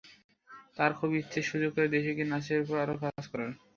তার খুব ইচ্ছে সুযোগ করে দেশে গিয়ে নাচের ওপর আরও কাজ করার।